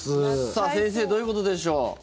さあ、先生どういうことでしょう。